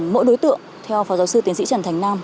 mỗi đối tượng theo phó giáo sư tiến sĩ trần thành nam